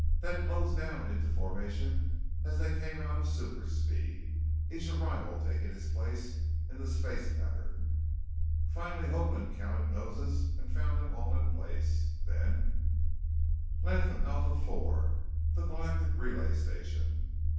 They had closed down into formation as they came out of superspeed, each arrival taking its place in the space pattern. Finally Hoagland counted noses and found them all in place. Then "Latham Alpha IV. The Galactic Relay Station!"